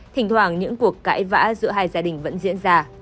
thỉnh thoảng những cuộc cãi vã giữa hai gia đình vẫn diễn ra